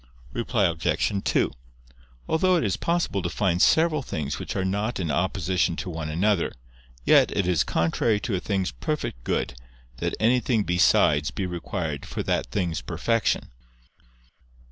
Reply Obj. 2: Although it is possible to find several things which are not in opposition to one another, yet it is contrary to a thing's perfect good, that anything besides be required for that thing's perfection.